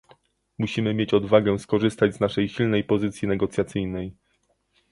Musimy mieć odwagę skorzystać z naszej silnej pozycji negocjacyjnej